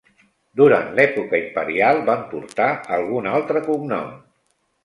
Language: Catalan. Durant l'època imperial van portar algun altre cognom.